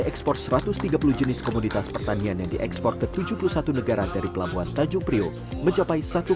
ekspor satu ratus tiga puluh jenis komoditas pertanian yang diekspor ke tujuh puluh satu negara dari pelabuhan tanjung priok mencapai